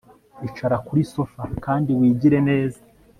Icara kuri sofa kandi wigire neza